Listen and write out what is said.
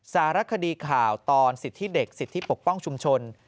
สารคดีข่าวตอนสิทธิเด็กสิทธิปกป้องชุมชน